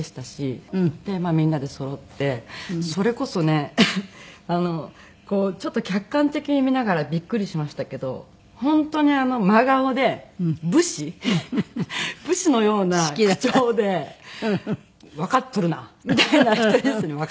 まあみんなでそろってそれこそねこうちょっと客観的に見ながらビックリしましたけど本当に真顔で武士武士のような口調で「わかっとるな」みたいな１人ずつに「わかっとるな」。